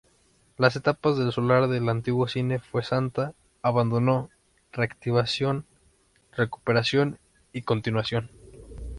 Las etapas del solar del antiguo cine Fuensanta: abandono, reactivación, recuperación y continuación.